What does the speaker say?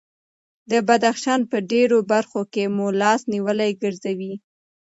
د بدخشان په ډېرو برخو کې مو لاس نیولي ګرځوي.